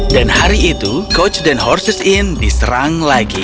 dan hari itu coach dan horses inn diserang lagi